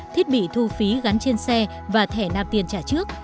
thiết bị thu phí gắn trên xe và thẻ nạp tiền trả trước